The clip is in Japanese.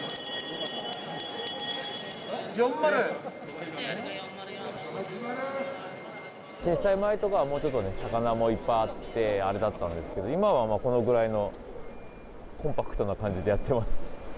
震災前とかはもうちょっと魚もいっぱいあってあれだったんですけど、今はこのぐらいのコンパクトな感じでやってます。